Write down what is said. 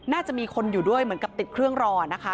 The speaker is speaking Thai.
น่าจะมีคนอยู่ด้วยเหมือนกับติดเครื่องรอนะคะ